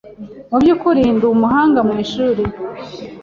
Mu by’ukuri, ndi umuhanga mu ishuri.